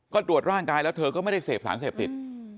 ก็ตรวจร่างกายแล้วเธอก็ไม่ได้เสพสารเสพติด